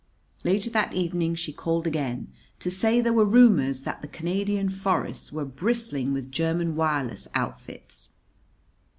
Later that evening she called again to say there were rumors that the Canadian forests were bristling with German wireless outfits.